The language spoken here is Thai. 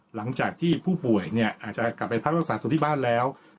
หลังจากที่ผู้ป่วยเนี่ยอาจจะกลับไปพักรักษาตัวที่บ้านแล้ว